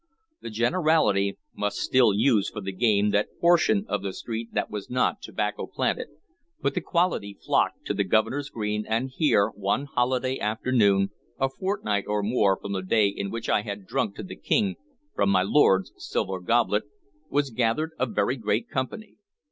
The generality must still use for the game that portion of the street that was not tobacco planted; but the quality flocked to the Governor's green, and here, one holiday afternoon, a fortnight or more from the day in which I had drunk to the King from my lord's silver goblet, was gathered a very great company.